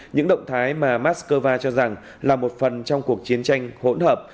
những động thái mà moscow cho rằng là một phần trong cuộc chiến tranh hỗn hợp